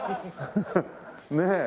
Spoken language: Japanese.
ねえ。